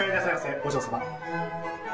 お嬢様。